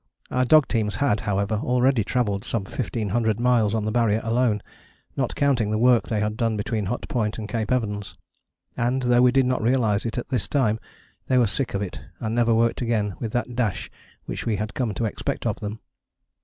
Our dog teams had, however, already travelled some 1500 miles on the Barrier alone, not counting the work they had done between Hut Point and Cape Evans; and, though we did not realize it at this time, they were sick of it and never worked again with that dash which we had come to expect of them.